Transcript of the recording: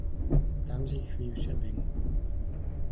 Там з іх віўся дым.